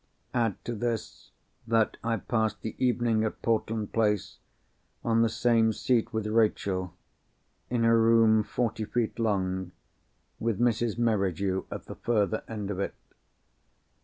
Add to this, that I passed the evening at Portland Place, on the same seat with Rachel, in a room forty feet long, with Mrs. Merridew at the further end of it.